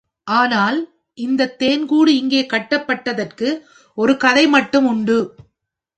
ஆனால் இந்தத் தேன் கூடு இங்கே கட்டப்பட்டதற்கு ஒரு கதை மட்டும் உண்டு.